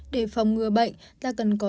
để phòng ngừa bệnh ta cần có